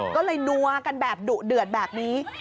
ก็เลยนัวกันแบบดุเดือดแบบนี้